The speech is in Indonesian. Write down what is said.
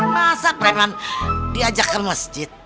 masa preman diajak ke masjid